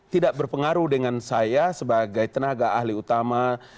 tidak berpengaruh dengan saya sebagai tenaga ahli utama